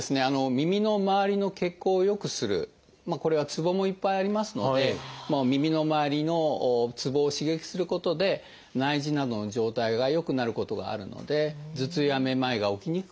耳の周りの血行を良くするこれはツボもいっぱいありますので耳の周りのツボを刺激することで内耳などの状態が良くなることがあるので頭痛やめまいが起きにくくなる。